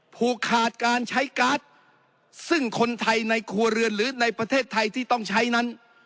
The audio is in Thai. ผูกขาดการใช้การ์ดซึ่งคนไทยในครัวเรือนหรือในประเทศไทยที่ต้องใช้นั้น